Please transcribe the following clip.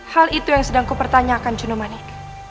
hal itu yang sedangku pertanyakan jendomalik